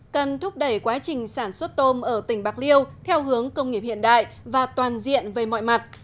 cần thúc đẩy quá trình sản xuất tôm ở tỉnh bạc liêu theo hướng công nghiệp hiện đại và toàn diện về mọi mặt